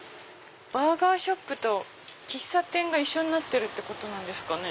バーガーショップと喫茶店が一緒になってるってことですかね。